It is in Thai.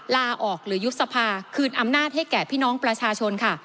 ลาออกหรือยุบสภาคืนอำนาจให้แก่พี่น้องประชาชนค่ะ